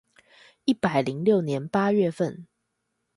一百零六年八月份